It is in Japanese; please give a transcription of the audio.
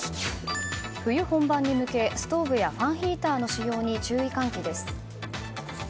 冬本番に向けストーブやファンヒーターの使用に注意喚起です。